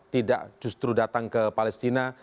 tidak justru datang ke palestina